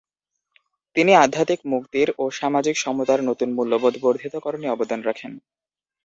তিনি আধ্যাত্মিক মুক্তির ও সামাজিক সমতার নতুন মূল্যবোধ বর্ধিতকরণে অবদান রাখেন।